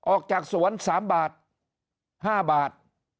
ออกจากสวน๓บาท๕บาท